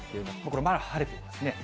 これ、まだ晴れてますね。